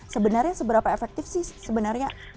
sebenarnya seberapa efektif sih sebenarnya